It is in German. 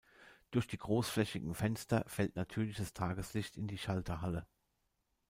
Durch die großflächigen Fenster fällt natürliches Tageslicht in die Schalterhalle.